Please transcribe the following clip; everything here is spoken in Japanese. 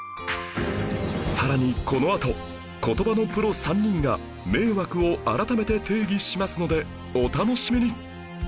さらにこのあと言葉のプロ３人が「迷惑」を改めて定義しますのでお楽しみに！